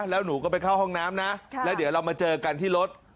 แล้วหนูก็ไปเข้าห้องน้ำนะแล้วเดี๋ยวเรามาเจอกันที่รถ